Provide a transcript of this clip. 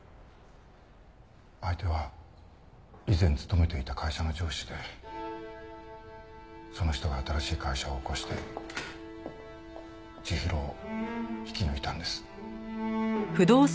相手は以前勤めていた会社の上司でその人が新しい会社を起こして千尋を引き抜いたんです。